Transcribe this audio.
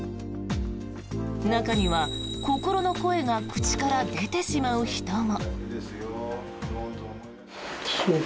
中には心の声が口から出てしまう人も。